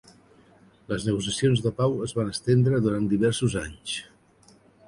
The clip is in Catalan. Les negociacions de pau es van estendre durant diversos anys.